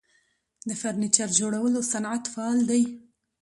د فرنیچر جوړولو صنعت فعال دی